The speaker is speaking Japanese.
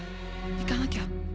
行かなきゃ。